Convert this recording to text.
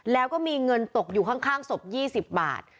แล้วก็มีเงินตกอยู่ข้างศพ๒๐บาท